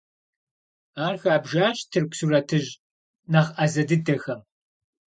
Ар хабжащ тырку сурэтыщӀ нэхъ Ӏэзэ дыдэхэм.